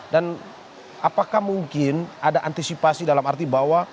dan apakah mungkin ada antisipasi dalam arti bahwa